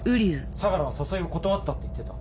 相楽は誘いを断ったって言ってた。